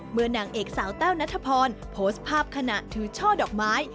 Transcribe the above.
นางเอกสาวแต้วนัทพรโพสต์ภาพขณะถือช่อดอกไม้